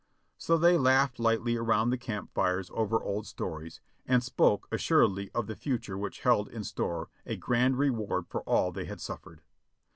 So they laughed lightly around the camp fires over old stories, and spoke assuredly of the future which held in store a grand reward for all they had suffered.